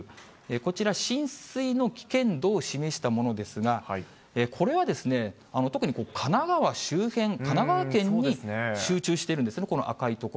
こちら、浸水の危険度を示したものですが、これは特に神奈川周辺、神奈川県に集中しているんですね、この赤い所。